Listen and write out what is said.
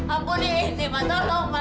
ampuni indi ma tolong ma